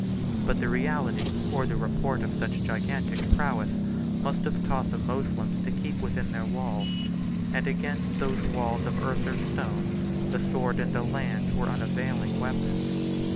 But the reality or the report of such gigantic prowess 92 must have taught the Moslems to keep within their walls: and against those walls of earth or stone, the sword and the lance were unavailing weapons.